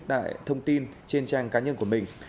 tại thông tin trên trang cá nhân của mình